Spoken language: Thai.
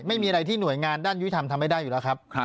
ไม่มีอะไรที่หน่วยงานด้านยุทธรรมทำไม่ได้อยู่แล้วครับ